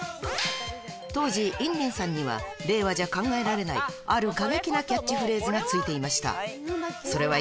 当時、インリンさんには、令和じゃ考えられない、ある過激なキャッチフレーズが付いていました。